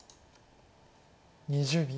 ２０秒。